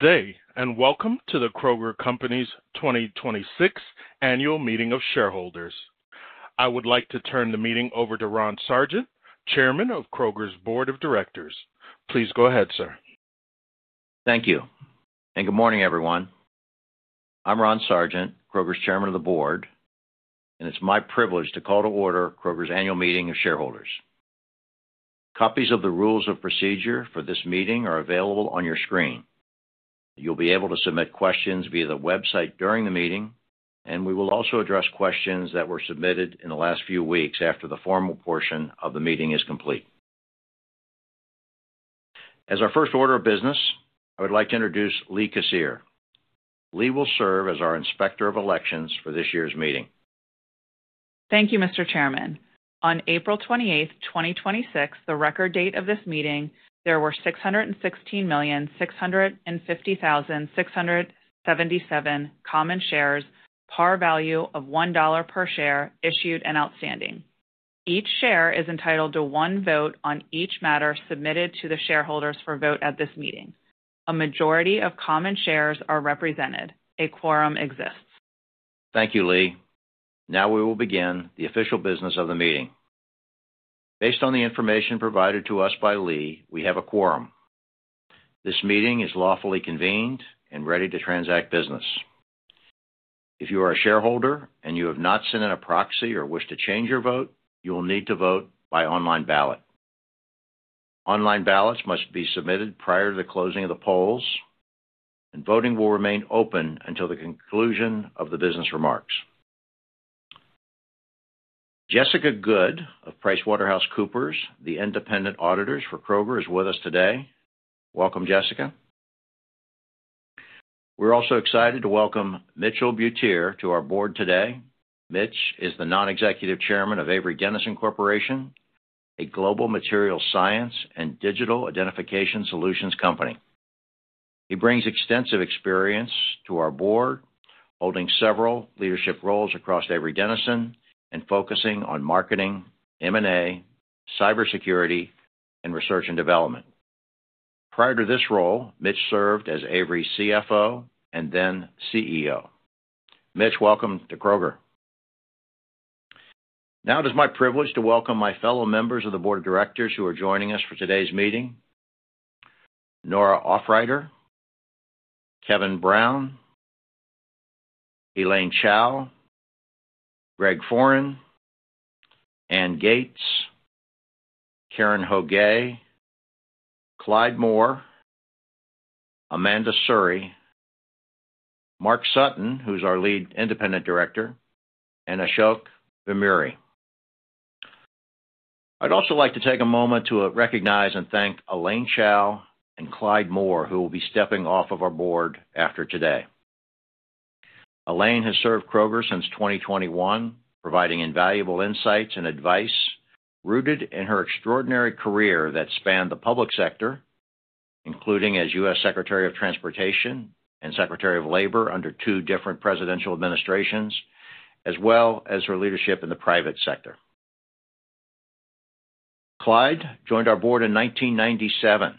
Good day, and welcome to The Kroger Co.'s 2026 Annual Meeting of Shareholders. I would like to turn the meeting over to Ron Sargent, Chairman of Kroger's Board of Directors. Please go ahead, sir. Thank you, good morning, everyone. I'm Ron Sargent, Kroger's Chairman of the Board, and it's my privilege to call to order Kroger's Annual Meeting of Shareholders. Copies of the rules of procedure for this meeting are available on your screen. You'll be able to submit questions via the website during the meeting, and we will also address questions that were submitted in the last few weeks after the formal portion of the meeting is complete. As our first order of business, I would like to introduce Lee Cassiere. Lee will serve as our Inspector of Elections for this year's meeting. Thank you, Mr. Chairman. On April 28th, 2026, the record date of this meeting, there were 616,650,677 common shares, par value of $1 per share, issued and outstanding. Each share is entitled to one vote on each matter submitted to the shareholders for vote at this meeting. A majority of common shares are represented. A quorum exists. Thank you, Lee. We will begin the official business of the meeting. Based on the information provided to us by Lee, we have a quorum. This meeting is lawfully convened and ready to transact business. If you are a shareholder and you have not sent in a proxy or wish to change your vote, you will need to vote by online ballot. Online ballots must be submitted prior to the closing of the polls, and voting will remain open until the conclusion of the business remarks. Jessica Good of PricewaterhouseCoopers, the independent auditors for Kroger, is with us today. Welcome, Jessica. We're also excited to welcome Mitchell Butier to our Board today. Mitch is the Non-Executive Chairman of Avery Dennison Corporation, a global materials science and digital identification solutions company. He brings extensive experience to our Board, holding several leadership roles across Avery Dennison and focusing on marketing, M&A, cybersecurity, and research and development. Prior to this role, Mitch served as Avery's CFO and then CEO. Mitch, welcome to Kroger. Now it is my privilege to welcome my fellow members of the Board of Directors who are joining us for today's meeting. Nora Aufreiter, Kevin Brown, Elaine Chao, Greg Foran, Anne Gates, Karen Hoguet, Clyde Moore, Amanda Sourry, Mark Sutton, who's our Lead Independent Director, and Ashok Vemuri. I'd also like to take a moment to recognize and thank Elaine Chao and Clyde Moore, who will be stepping off of our Board after today. Elaine has served Kroger since 2021, providing invaluable insights and advice rooted in her extraordinary career that spanned the public sector, including as U.S. Secretary of Transportation and Secretary of Labor under two different presidential administrations, as well as her leadership in the private sector. Clyde joined our Board in 1997,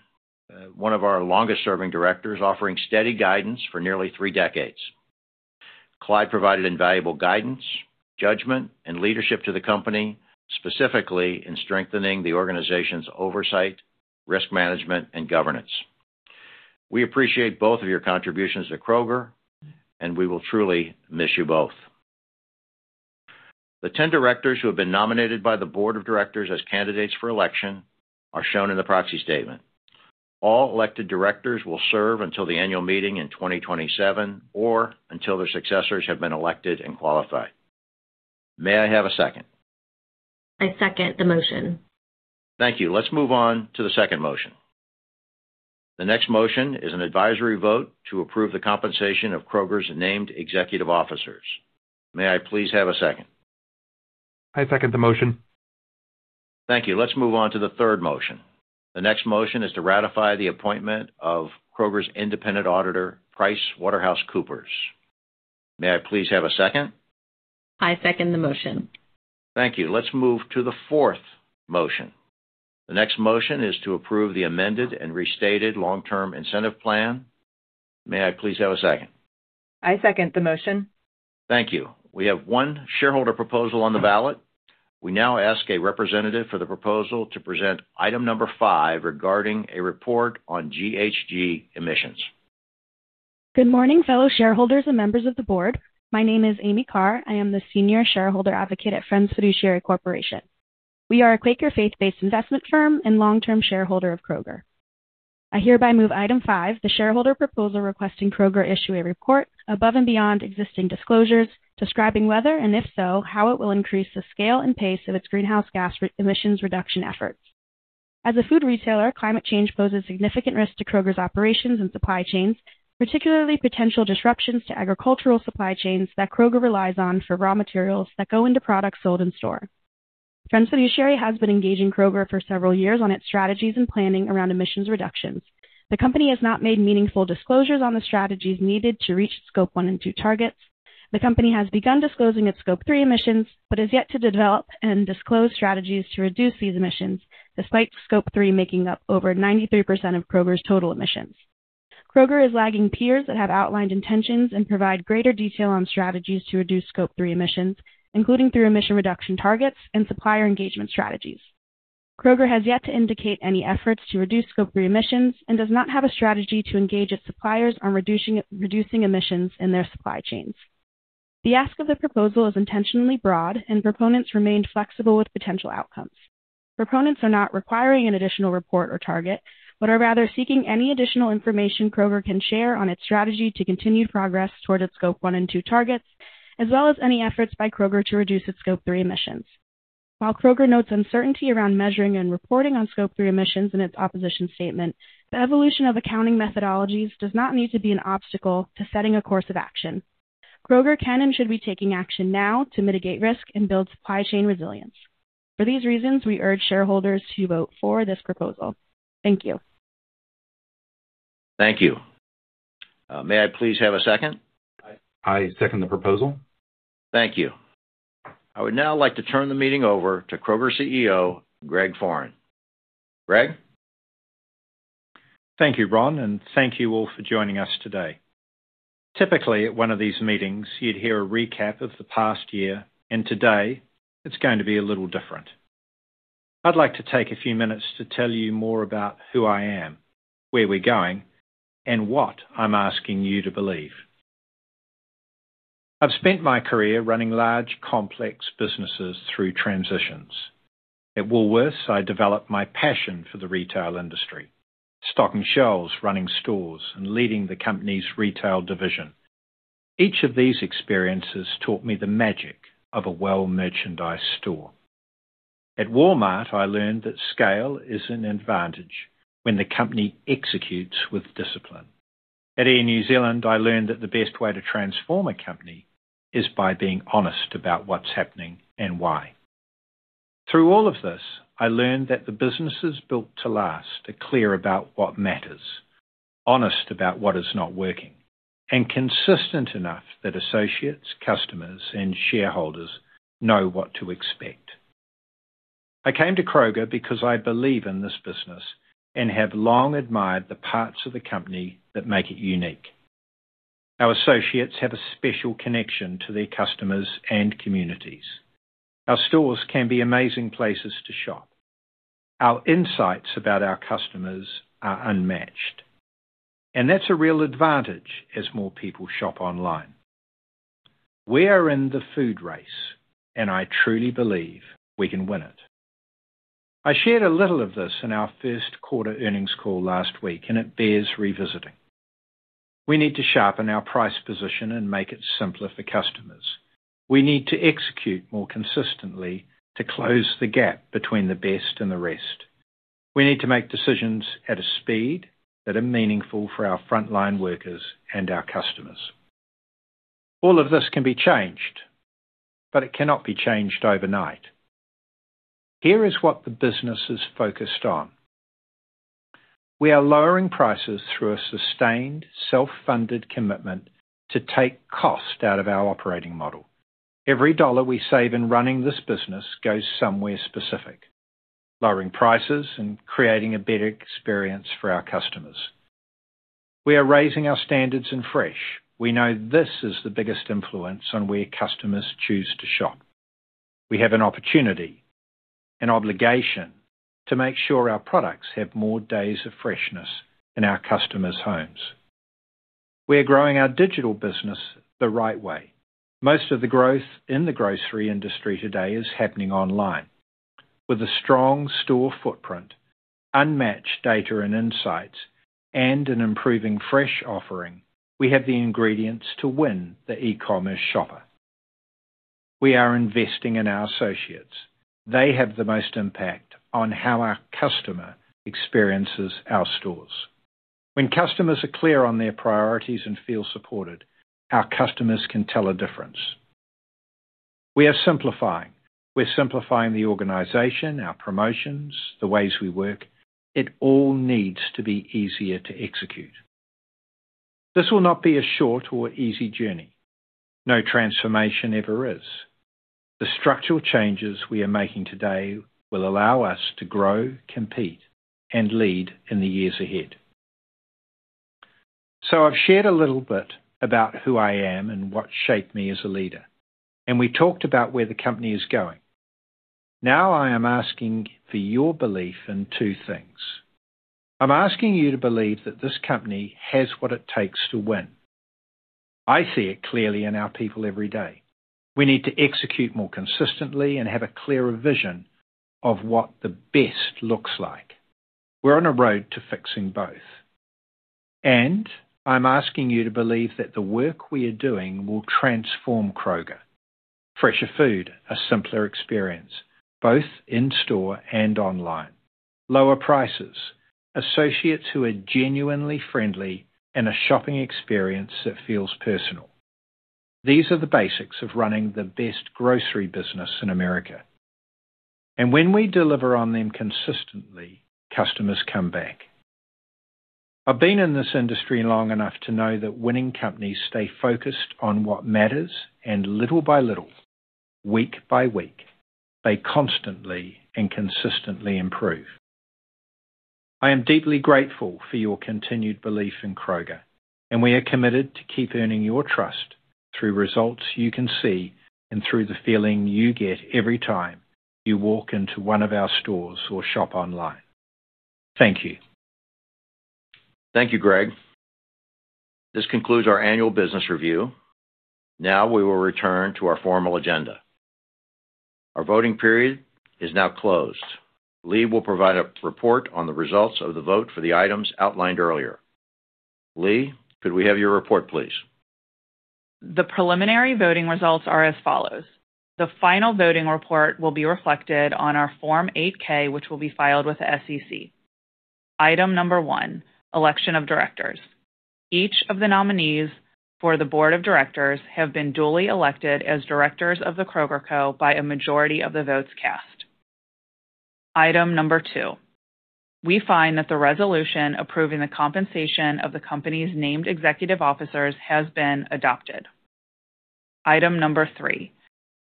one of our longest-serving Directors, offering steady guidance for nearly three decades. Clyde provided invaluable guidance, judgment, and leadership to the company, specifically in strengthening the organization's oversight, risk management, and governance. We appreciate both of your contributions to Kroger, and we will truly miss you both. The 10 Directors who have been nominated by the Board of Directors as candidates for election are shown in the proxy statement. All elected directors will serve until the Annual Meeting in 2027, or until their successors have been elected and qualified. May I have a second? I second the motion. Thank you. Let's move on to the second motion. The next motion is an advisory vote to approve the compensation of Kroger's named Executive officers. May I please have a second? I second the motion. Thank you. Let's move on to the third motion. The next motion is to ratify the appointment of Kroger's independent auditor, PricewaterhouseCoopers. May I please have a second? I second the motion. Thank you. Let's move to the fourth motion. The next motion is to approve the amended and restated long-term incentive plan. May I please have a second? I second the motion. Thank you. We have one shareholder proposal on the ballot. We now ask a representative for the proposal to present item number five regarding a report on GHG emissions. Good morning, fellow shareholders and Members of the Board. My name is Amy Carr. I am the Senior Shareholder Advocate at Friends Fiduciary Corporation. We are a Quaker faith-based investment firm and long-term shareholder of Kroger. I hereby move item five, the shareholder proposal requesting Kroger issue a report above and beyond existing disclosures, describing whether, and if so, how it will increase the scale and pace of its greenhouse gas emissions reduction efforts. As a food retailer, climate change poses significant risk to Kroger's operations and supply chains, particularly potential disruptions to agricultural supply chains that Kroger relies on for raw materials that go into products sold in store. Friends Fiduciary has been engaging Kroger for several years on its strategies and planning around emissions reductions. The company has not made meaningful disclosures on the strategies needed to reach Scope 1 and 2 targets. The company has begun disclosing its Scope 3 emissions, but is yet to develop and disclose strategies to reduce these emissions, despite Scope 3 making up over 93% of Kroger's total emissions. Kroger is lagging peers that have outlined intentions and provide greater detail on strategies to reduce Scope 3 emissions, including through emission reduction targets and supplier engagement strategies. Kroger has yet to indicate any efforts to reduce Scope 3 emissions and does not have a strategy to engage its suppliers on reducing emissions in their supply chains. The ask of the proposal is intentionally broad, and proponents remain flexible with potential outcomes. Proponents are not requiring an additional report or target, but are rather seeking any additional information Kroger can share on its strategy to continued progress toward its Scope 1 and 2 targets, as well as any efforts by Kroger to reduce its Scope 3 emissions. While Kroger notes uncertainty around measuring and reporting on Scope 3 emissions in its opposition statement, the evolution of accounting methodologies does not need to be an obstacle to setting a course of action. Kroger can and should be taking action now to mitigate risk and build supply chain resilience. For these reasons, we urge shareholders to vote for this proposal. Thank you. Thank you. May I please have a second? I second the proposal. Thank you. I would now like to turn the meeting over to Kroger's CEO, Greg Foran. Greg? Thank you, Ron, and thank you all for joining us today. Typically, at one of these meetings, you'd hear a recap of the past year, and today it's going to be a little different. I'd like to take a few minutes to tell you more about who I am, where we're going, and what I'm asking you to believe. I've spent my career running large, complex businesses through transitions. At Woolworths, I developed my passion for the retail industry, stocking shelves, running stores, and leading the company's Retail division. Each of these experiences taught me the magic of a well-merchandised store. At Walmart, I learned that scale is an advantage when the company executes with discipline. At Air New Zealand, I learned that the best way to transform a company is by being honest about what's happening and why. Through all of this, I learned that the businesses built to last are clear about what matters, honest about what is not working, and consistent enough that associates, customers, and shareholders know what to expect. I came to Kroger because I believe in this business and have long admired the parts of the company that make it unique. Our associates have a special connection to their customers and communities. Our stores can be amazing places to shop. Our insights about our customers are unmatched, and that's a real advantage as more people shop online. We are in the food race, and I truly believe we can win it. I shared a little of this in our first quarter earnings call last week, and it bears revisiting. We need to sharpen our price position and make it simpler for customers. We need to execute more consistently to close the gap between the best and the rest. We need to make decisions at a speed that are meaningful for our frontline workers and our customers. All of this can be changed, but it cannot be changed overnight. Here is what the business is focused on. We are lowering prices through a sustained, self-funded commitment to take cost out of our operating model. Every dollar we save in running this business goes somewhere specific, lowering prices and creating a better experience for our customers. We are raising our standards in fresh. We know this is the biggest influence on where customers choose to shop. We have an opportunity, an obligation, to make sure our products have more days of freshness in our customers' homes. We are growing our digital business the right way. Most of the growth in the grocery industry today is happening online. With a strong store footprint, unmatched data and insights, and an improving fresh offering, we have the ingredients to win the e-commerce shopper. We are investing in our associates. They have the most impact on how our customer experiences our stores. When customers are clear on their priorities and feel supported, our customers can tell a difference. We are simplifying. We're simplifying the organization, our promotions, the ways we work. It all needs to be easier to execute. This will not be a short or easy journey. No transformation ever is. The structural changes we are making today will allow us to grow, compete, and lead in the years ahead. I've shared a little bit about who I am and what shaped me as a leader, and we talked about where the company is going. Now I am asking for your belief in two things. I'm asking you to believe that this company has what it takes to win. I see it clearly in our people every day. We need to execute more consistently and have a clearer vision of what the best looks like. We're on a road to fixing both. I'm asking you to believe that the work we are doing will transform Kroger. Fresher food, a simpler experience, both in-store and online. Lower prices, associates who are genuinely friendly, and a shopping experience that feels personal. These are the basics of running the best grocery business in America. When we deliver on them consistently, customers come back. I've been in this industry long enough to know that winning companies stay focused on what matters, and little-by-little, week-by-week, they constantly and consistently improve. I am deeply grateful for your continued belief in Kroger, and we are committed to keep earning your trust through results you can see and through the feeling you get every time you walk into one of our stores or shop online. Thank you. Thank you, Greg. This concludes our annual business review. Now we will return to our formal agenda. Our voting period is now closed. Lee will provide a report on the results of the vote for the items outlined earlier. Lee, could we have your report, please? The preliminary voting results are as follows. The final voting report will be reflected on our Form 8-K, which will be filed with the SEC. Item number one, election of Directors. Each of the nominees for the Board of Directors have been duly elected as Directors of The Kroger Co by a majority of the votes cast. Item number two, we find that the resolution approving the compensation of the company's named Executive officers has been adopted. Item number three,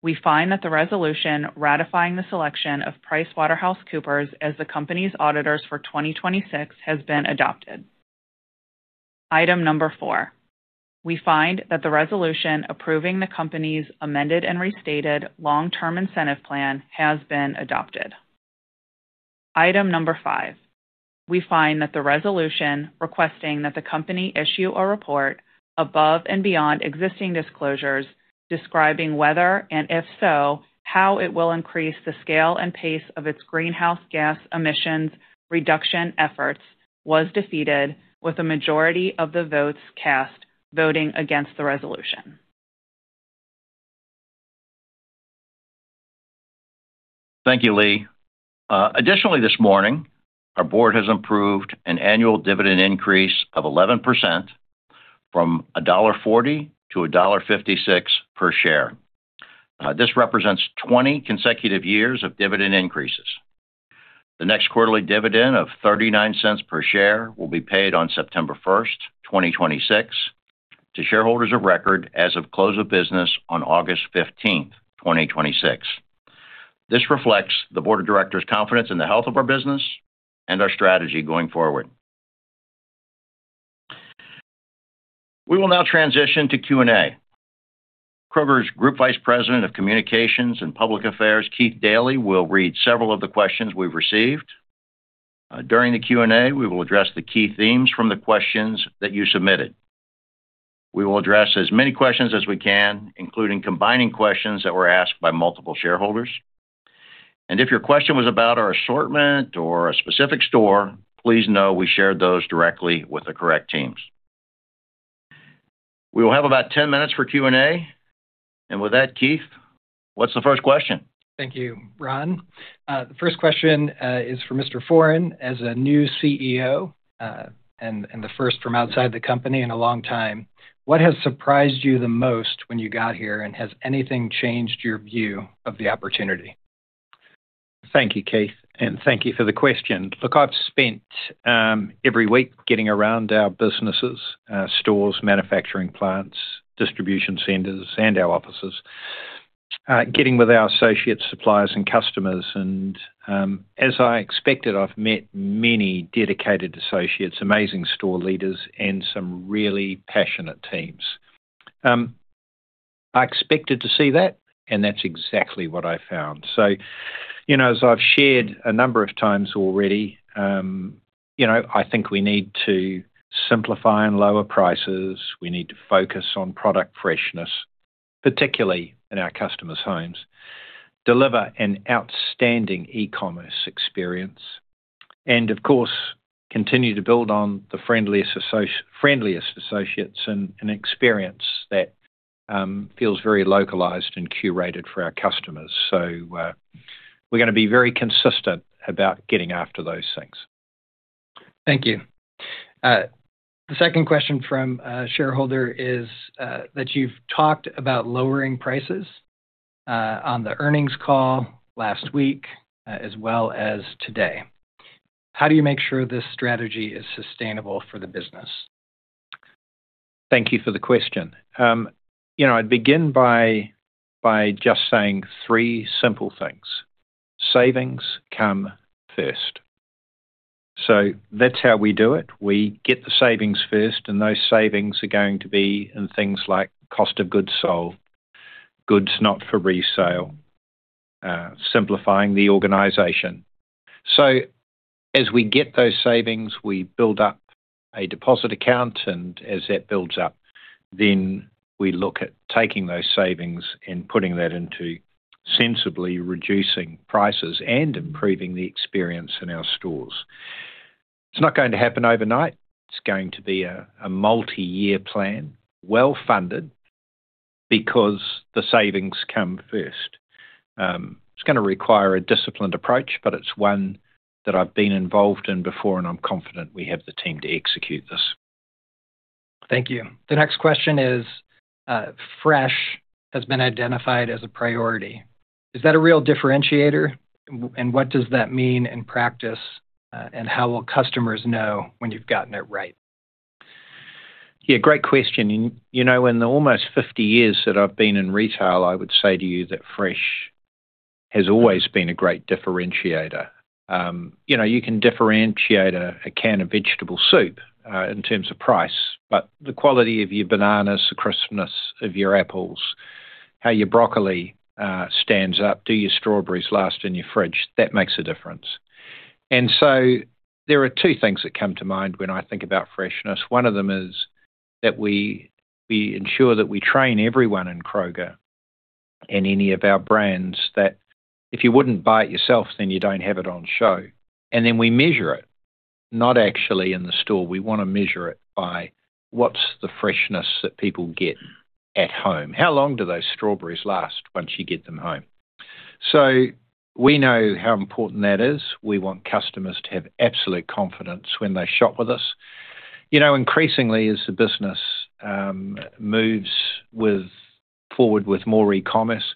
we find that the resolution ratifying the selection of PricewaterhouseCoopers as the company's auditors for 2026 has been adopted. Item number four, we find that the resolution approving the company's amended and restated long-term incentive plan has been adopted. Item number five, we find that the resolution requesting that the company issue a report above and beyond existing disclosures describing whether, and if so, how it will increase the scale and pace of its greenhouse gas emissions reduction efforts was defeated with a majority of the votes cast voting against the resolution. Thank you, Lee. Additionally, this morning, our Board has approved an annual dividend increase of 11%, from $1.40 to $1.56 per share. This represents 20 consecutive years of dividend increases. The next quarterly dividend of $0.39 per share will be paid on September 1st, 2026, to shareholders of record as of close of business on August 15th, 2026. This reflects the Board of Directors' confidence in the health of our business and our strategy going forward. We will now transition to Q&A. Kroger's Group Vice President of Communications and Public Affairs, Keith Dailey, will read several of the questions we've received. During the Q&A, we will address the key themes from the questions that you submitted. We will address as many questions as we can, including combining questions that were asked by multiple shareholders. If your question was about our assortment or a specific store, please know we shared those directly with the correct teams. We will have about 10 minutes for Q&A. With that, Keith, what's the first question? Thank you, Ron. The first question is for Mr. Foran. As a new CEO, and the first from outside the company in a long time, what has surprised you the most when you got here, and has anything changed your view of the opportunity? Thank you, Keith, and thank you for the question. Look, I've spent every week getting around our businesses, stores, manufacturing plants, distribution centers, and our offices, getting with our associates, suppliers, and customers. As I expected, I've met many dedicated associates, amazing store leaders, and some really passionate teams. I expected to see that, and that's exactly what I found. As I've shared a number of times already, I think we need to simplify and lower prices. We need to focus on product freshness, particularly in our customers' homes, deliver an outstanding e-commerce experience, and of course, continue to build on the friendliest associates and an experience that feels very localized and curated for our customers. We're going to be very consistent about getting after those things. Thank you. The second question from a shareholder is that you've talked about lowering prices on the earnings call last week as well as today. How do you make sure this strategy is sustainable for the business? Thank you for the question. I'd begin by just saying three simple things. Savings come first. That's how we do it. We get the savings first, and those savings are going to be in things like cost of goods sold, goods not for resale, simplifying the organization. As we get those savings, we build up a deposit account, and as that builds up, then we look at taking those savings and putting that into sensibly reducing prices and improving the experience in our stores. It's not going to happen overnight. It's going to be a multi-year plan, well-funded, because the savings come first. It's going to require a disciplined approach, but it's one that I've been involved in before, and I'm confident we have the team to execute this. Thank you. The next question is, Fresh has been identified as a priority. Is that a real differentiator? What does that mean in practice, and how will customers know when you've gotten it right? Yeah, great question. In the almost 50 years that I've been in retail, I would say to you that Fresh has always been a great differentiator. You can differentiate a can of vegetable soup in terms of price, but the quality of your bananas, the crispness of your apples, how your broccoli stands up, do your strawberries last in your fridge, that makes a difference. There are two things that come to mind when I think about freshness. One of them is that we ensure that we train everyone in Kroger and any of our brands that if you wouldn't buy it yourself, then you don't have it on show. Then we measure it, not actually in the store. We want to measure it by what's the freshness that people get at home. How long do those strawberries last once you get them home? We know how important that is. We want customers to have absolute confidence when they shop with us. Increasingly, as the business moves forward with more e-commerce,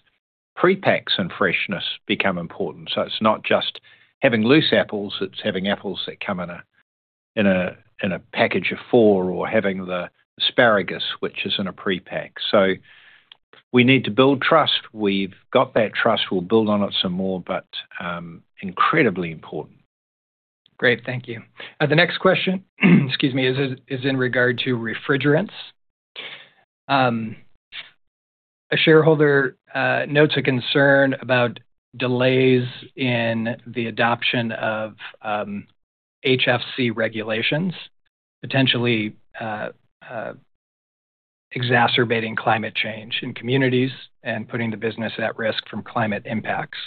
pre-packs and freshness become important. It's not just having loose apples, it's having apples that come in a package of four or having the asparagus, which is in a pre-pack. We need to build trust. We've got that trust. We'll build on it some more, but incredibly important. Great. Thank you. The next question is in regard to refrigerants. A shareholder notes a concern about delays in the adoption of HFC regulations, potentially exacerbating climate change in communities and putting the business at risk from climate impacts.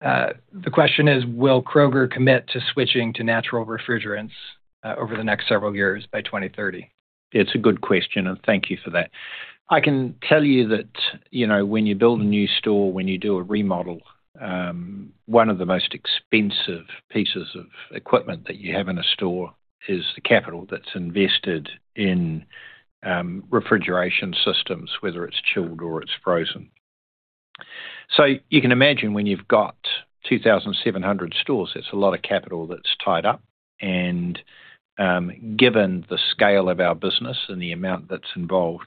The question is, will Kroger commit to switching to natural refrigerants over the next several years by 2030? It's a good question. Thank you for that. I can tell you that when you build a new store, when you do a remodel, one of the most expensive pieces of equipment that you have in a store is the capital that's invested in refrigeration systems, whether it's chilled or it's frozen. You can imagine when you've got 2,700 stores, that's a lot of capital that's tied up. Given the scale of our business and the amount that's involved,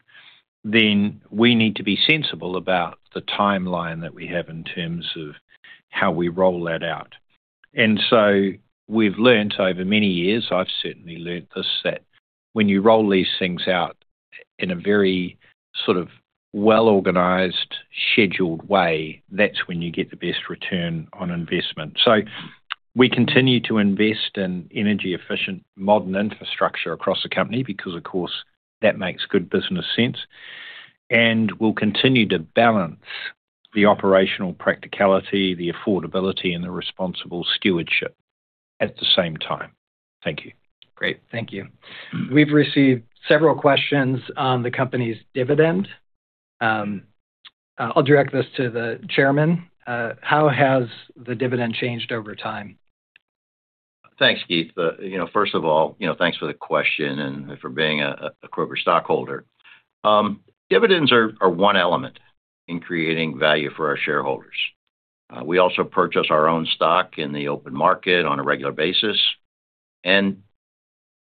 we need to be sensible about the timeline that we have in terms of how we roll that out. We've learnt over many years, I've certainly learnt this, that when you roll these things out in a very well-organized, scheduled way, that's when you get the best return on investment. We continue to invest in energy efficient, modern infrastructure across the company because, of course, that makes good business sense. We'll continue to balance the operational practicality, the affordability, and the responsible stewardship at the same time. Thank you. Great. Thank you. We've received several questions on the company's dividend. I'll direct this to the Chairman. How has the dividend changed over time? Thanks, Keith. First of all, thanks for the question and for being a Kroger stockholder. Dividends are one element in creating value for our shareholders. We also purchase our own stock in the open market on a regular basis.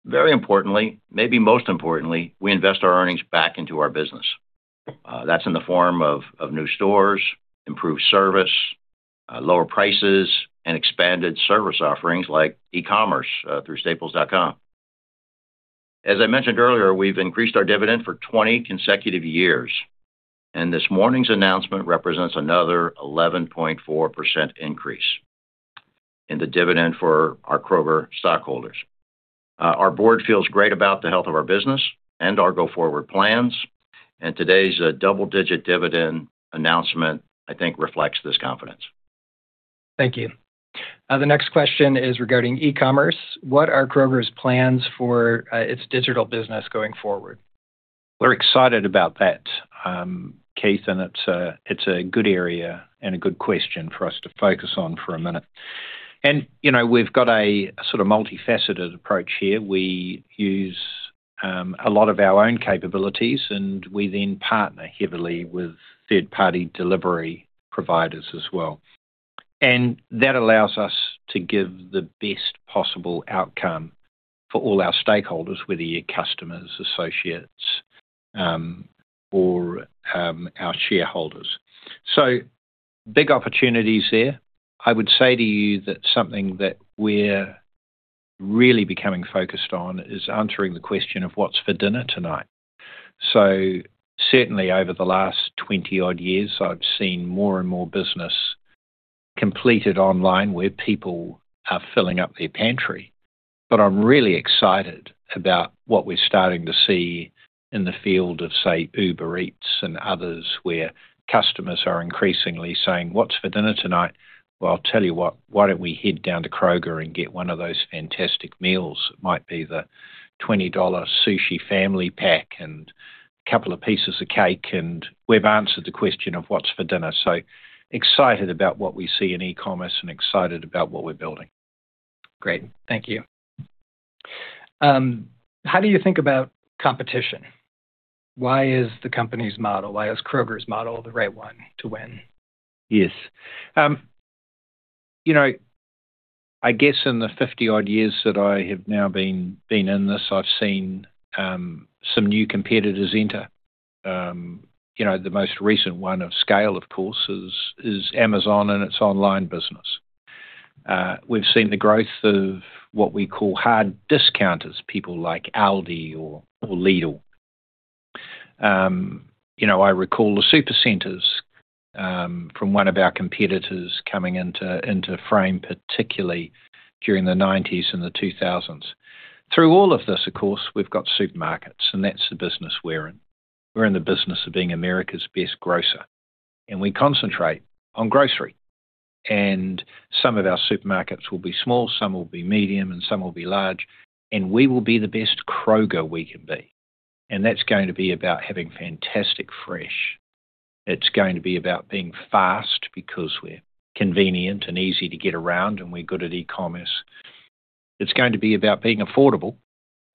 Very importantly, maybe most importantly, we invest our earnings back into our business. That's in the form of new stores, improved service, lower prices, and expanded service offerings like e-commerce through Staples.com. As I mentioned earlier, we've increased our dividend for 20 consecutive years. This morning's announcement represents another 11.4% increase in the dividend for our Kroger stockholders. Our Board feels great about the health of our business and our go-forward plans. Today's double-digit dividend announcement, I think, reflects this confidence. Thank you. The next question is regarding e-commerce. What are Kroger's plans for its digital business going forward? We're excited about that, Keith. It's a good area and a good question for us to focus on for a minute. We've got a sort of multifaceted approach here. We use a lot of our own capabilities. We then partner heavily with third-party delivery providers as well. That allows us to give the best possible outcome for all our stakeholders, whether you're customers, associates, or our shareholders. Big opportunities there. I would say to you that something that we're really becoming focused on is answering the question of what's for dinner tonight. Certainly over the last 20 odd years, I've seen more and more business completed online where people are filling up their pantry. I'm really excited about what we're starting to see in the field of, say, Uber Eats and others, where customers are increasingly saying, what's for dinner tonight? Well, I'll tell you what, why don't we head down to Kroger and get one of those fantastic meals? It might be the $20 sushi family pack and a couple of pieces of cake, and we've answered the question of what's for dinner. Excited about what we see in e-commerce and excited about what we're building. Great. Thank you. How do you think about competition? Why is the company's model, why is Kroger's model the right one to win? Yes. I guess in the 50-odd years that I have now been in this, I've seen some new competitors enter. The most recent one of scale, of course, is Amazon and its online business. We've seen the growth of what we call hard discounters, people like ALDI or Lidl. I recall the supercenters from one of our competitors coming into frame, particularly during the '90s and the 2000s. Through all of this, of course, we've got supermarkets, and that's the business we're in. We're in the business of being America's best grocer, and we concentrate on grocery. Some of our supermarkets will be small, some will be medium, and some will be large, and we will be the best Kroger we can be. That's going to be about having fantastic fresh. It's going to be about being fast because we're convenient and easy to get around, and we're good at e-commerce. It's going to be about being affordable.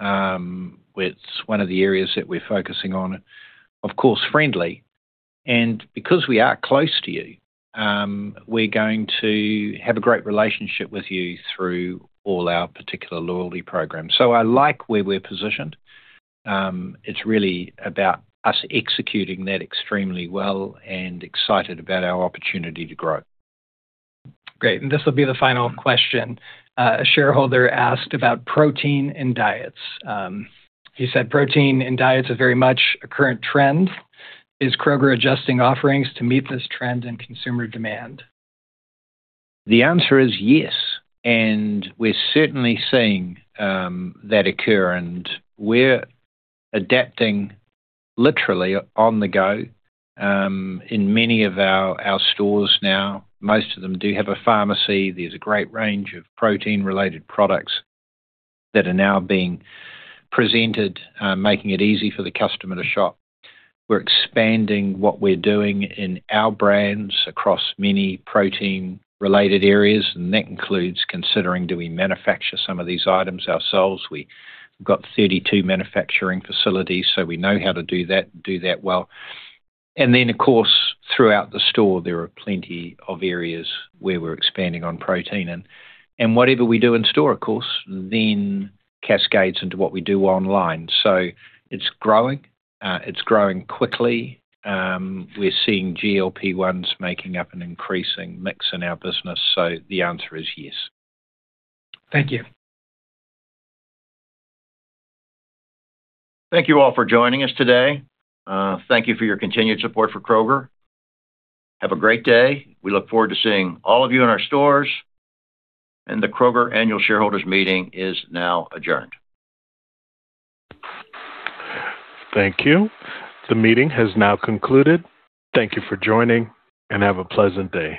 It's one of the areas that we're focusing on. Of course, friendly. Because we are close to you, we're going to have a great relationship with you through all our particular loyalty programs. I like where we're positioned. It's really about us executing that extremely well and excited about our opportunity to grow. Great. This will be the final question. A shareholder asked about protein and diets. He said protein and diets are very much a current trend. Is Kroger adjusting offerings to meet this trend and consumer demand? The answer is yes, we're certainly seeing that occur, and we're adapting literally on the go. In many of our stores now, most of them do have a pharmacy. There's a great range of protein-related products that are now being presented, making it easy for the customer to shop. We're expanding what we're doing in our brands across many protein-related areas, that includes considering, do we manufacture some of these items ourselves? We've got 32 manufacturing facilities, we know how to do that well. Then, of course, throughout the store, there are plenty of areas where we're expanding on protein. Whatever we do in store, of course, then cascades into what we do online. It's growing. It's growing quickly. We're seeing GLP-1s making up an increasing mix in our business. The answer is yes. Thank you. Thank you all for joining us today. Thank you for your continued support for Kroger. Have a great day. We look forward to seeing all of you in our stores, the Kroger Annual Shareholders Meeting is now adjourned. Thank you. The meeting has now concluded. Thank you for joining, have a pleasant day.